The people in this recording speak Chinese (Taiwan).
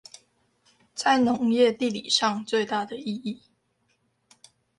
在農業地理上最大的意義